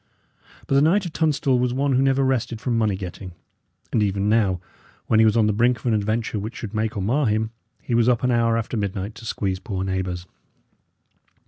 But the Knight of Tunstall was one who never rested from money getting; and even now, when he was on the brink of an adventure which should make or mar him, he was up an hour after midnight to squeeze poor neighbours.